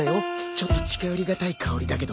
ちょっと近寄りがたい香りだけどね。